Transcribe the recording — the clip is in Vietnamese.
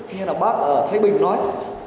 như là bác thái bình nói